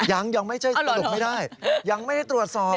ยังยังไม่ได้ตรวจสอบ